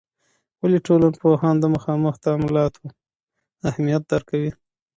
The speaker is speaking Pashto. ولي ټولنپوهان د مخامخ تعاملاتو اهمیت درک کوي؟